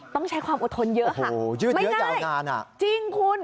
ต้องใช้ความอดทนเยอะค่ะโอ้โหยืดเยอะเยอะกว่างานอ่ะไม่ง่ายจริงคุณ